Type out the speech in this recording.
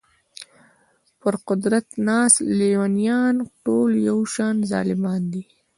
پر قدرت ناست لېونیان ټول یو شان ظالمان دي.